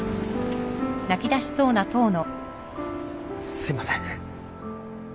すいません。